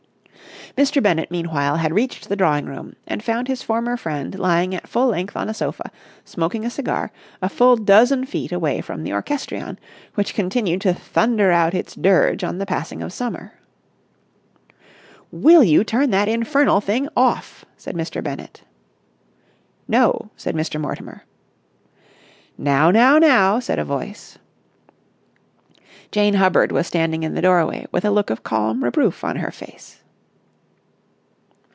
Mr. Bennett, meanwhile, had reached the drawing room, and found his former friend lying at full length on a sofa, smoking a cigar, a full dozen feet away from the orchestrion, which continued to thunder out its dirge on the passing of Summer. "Will you turn that infernal thing off!" said Mr. Bennett. "No!" said Mr. Mortimer. "Now, now, now!" said a voice. Jane Hubbard was standing in the doorway with a look of calm reproof on her face.